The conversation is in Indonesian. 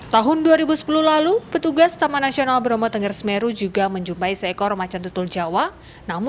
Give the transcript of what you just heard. tahun dua ribu sepuluh lalu petugas taman nasional bromo tengger semeru juga menjumpai seekor macan tutul jawa